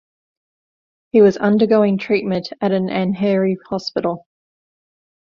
He was undergoing treatment at an Andheri hospital.